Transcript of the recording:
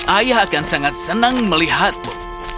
ayah akan sangat senang melihatmu